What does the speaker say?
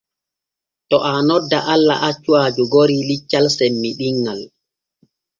To aa nodda Allah accu aa jogori liccal semmiɗinŋal.